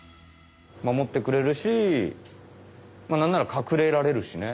守ってくれるしなんならかくれられるしね。